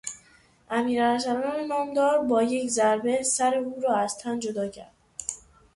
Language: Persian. امیر ارسلان نامدار با یک ضربه سر او را از تن جدا کرد.